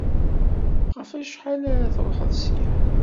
Ɣef acḥal ara truḥeḍ ssya?